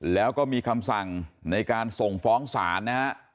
แล้วก็มีคำสั่งในการส่งฟ้องศาลนะฮะ